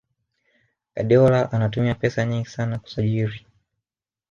Guardiola anatumia pesa nyingi sana kusajiri